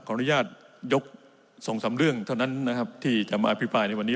อนุญาตยกสองสามเรื่องเท่านั้นนะครับที่จะมาอภิปรายในวันนี้